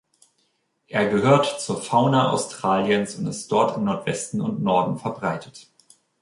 Er gehört zur Fauna Australiens und ist dort im Nordwesten und Norden verbreitet.